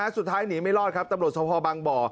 สุดท้ายหนีไม่รอดครับตำรวจสภบางบ่อ